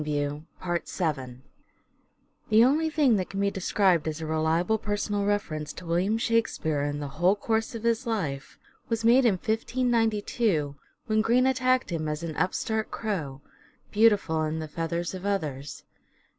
VII Contem The only thing that can be described as a re notices, liable personal reference to William Shakspere in the whole course of his life was made in 1592 when THE STRATFORDIAN VIEW 69 Greene attacked him as an " upstart crow," beautiful in the feathers of others.